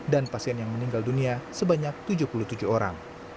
dan pasien yang meninggal dunia sebanyak tujuh puluh tujuh orang